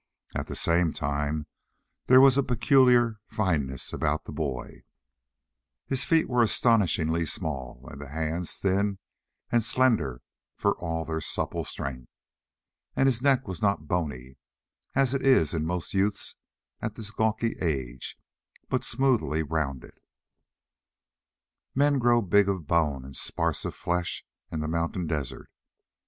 At the same time there was a peculiar fineness about the boy. His feet were astonishingly small and the hands thin and slender for all their supple strength. And his neck was not bony, as it is in most youths at this gawky age, but smoothly rounded. Men grow big of bone and sparse of flesh in the mountain desert.